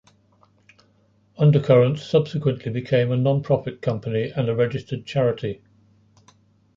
Undercurrents subsequently became a non-profit company and a registered charity.